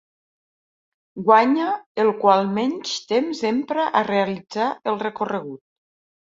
Guanya el qual menys temps empra a realitzar el recorregut.